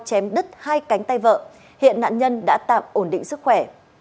chém đứt hai cánh tay vợ hiện nạn nhân đã tạm ổn định sức khỏe